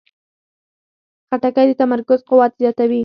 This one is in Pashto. خټکی د تمرکز قوت زیاتوي.